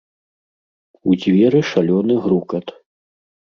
У дзверы шалёны грукат.